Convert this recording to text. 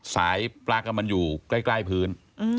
สายปลั๊กมันอยู่ใกล้พื้น